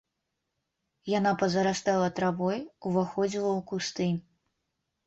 Яна пазарастала травой, уваходзіла ў кусты.